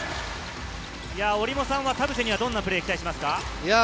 折茂さんは田臥にどんなプレーを期待しますか？